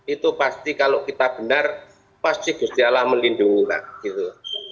itu pasti kalau kita benar pasti gestiala melindungi kita